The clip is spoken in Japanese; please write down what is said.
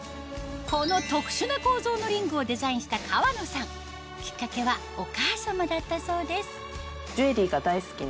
この特殊な構造のリングをデザインしたきっかけはお母さまだったそうです